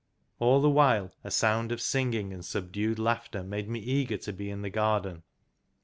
All the while a sound of singing and subdued laughter made me eager to be in the garden.